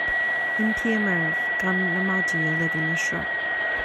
Impím oraibh gan na maidí a ligin le sruth